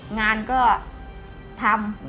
งานก็ทำ